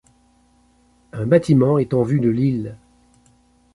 Un bâtiment est en vue de l’île